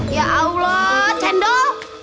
ya allah jendol